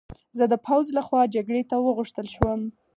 زه د پوځ له خوا جګړې ته وغوښتل شوم